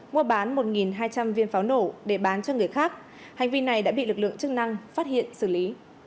mua bán một hai trăm linh viên pháo nổ để bán cho người khác hành vi này đã bị lực lượng chức năng phát hiện xử lý